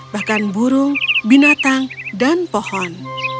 bahkan burung binatang dan pohon